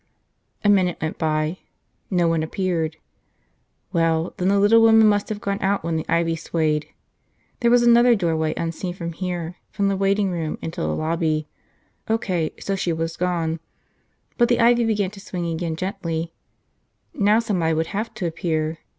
A minute went by. No one appeared. Well, then the little woman must have gone out when the ivy swayed. There was another doorway, unseen from here, from the waiting room into the lobby. O.K., so she was gone. But the ivy began to swing again, gently. Now somebody would have to appear.